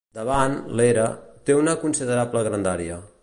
Davant, l'era, té una considerable grandària.